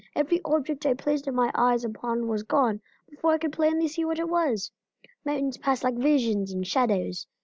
Every object I placed my eyes upon was gone before I could plainly see what it was. Mountains passed like visions and shadows.